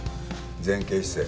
前傾姿勢。